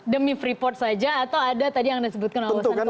demi freeport saja atau ada tadi yang disebutkan awasan kebangsaan